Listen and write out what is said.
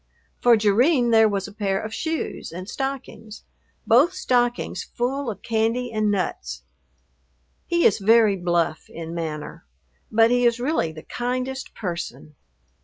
For Jerrine there was a pair of shoes and stockings, both stockings full of candy and nuts. He is very bluff in manner, but he is really the kindest person.